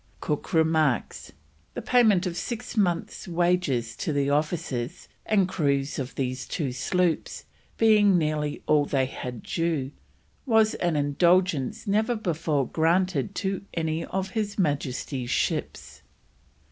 Cook remarks: "The payment of six months' wages to the officers, and crews of these two sloops, being nearly all they had due, was an indulgence never before granted to any of His Majesty's Ships."